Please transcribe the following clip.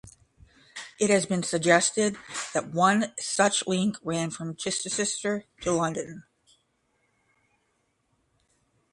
It has been suggested that one such link ran from Chichester to London.